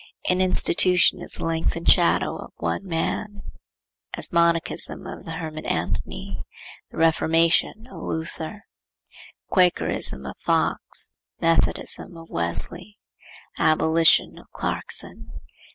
An institution is the lengthened shadow of one man; as, Monachism, of the Hermit Antony; the Reformation, of Luther; Quakerism, of Fox; Methodism, of Wesley; Abolition, of Clarkson.